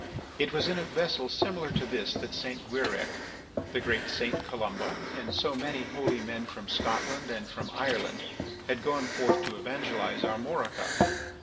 It was in a vessel similar to this that St. Guirec, the great St. Columba, and so many holy men from Scotland and from Ireland had gone forth to evangelize Armorica.